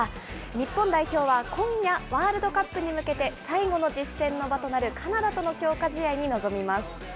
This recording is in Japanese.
日本代表は、今夜、ワールドカップに向けて、最後の実戦の場となるカナダとの強化試合に臨みます。